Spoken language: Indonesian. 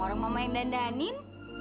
orang mama yang dandanin